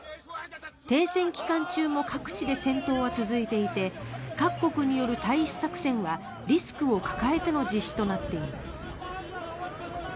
停戦期間中も各地で戦闘は続いていて各国による退避作戦はリスクを抱えての実施となっています。